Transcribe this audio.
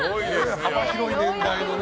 幅広い年代のね。